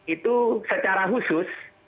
itu secara khusus